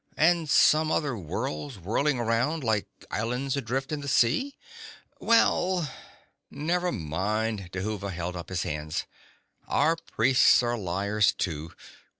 "And some other worlds whirling around, like islands adrift in the sea." "Well " "Never mind," Dhuva held up his hands. "Our priests are liars too.